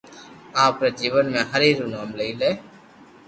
آپري جيون ۾ ھري ري نوم لي